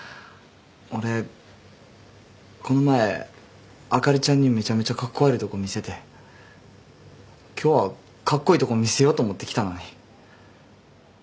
俺この前あかりちゃんにめちゃめちゃカッコ悪いとこ見せて今日はカッコイイとこ見せようと思って来たのに。